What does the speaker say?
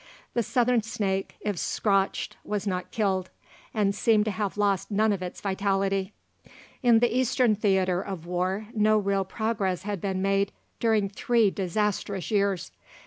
The Southern snake, if scotched, was not killed, and seemed to have lost none of its vitality. In the Eastern theatre of war, no real progress had been made during three disastrous years.